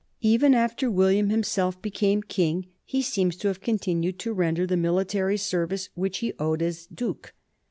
Even after William him self became king, he seems to have continued to render the military service which he owed as duke.